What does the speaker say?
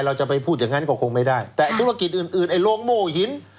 เราจะไปพูดอย่างนั้นก็คงไม่ได้แต่ธุรกิจอื่นอื่นไอ้โรงโม่หิน